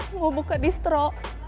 mau buka distro